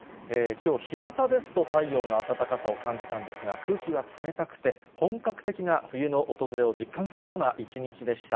きょう、ひなたですと太陽の暖かさを感じたんですが、空気は冷たくて、本格的な冬の訪れを実感するような一日でした。